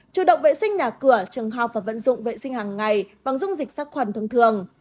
chủ động vệ sinh nhà cửa trường học và vận dụng vệ sinh hàng ngày bằng dung dịch sát khuẩn thông thường